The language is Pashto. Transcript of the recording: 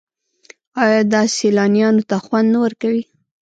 آیا دا سیلانیانو ته خوند نه ورکوي؟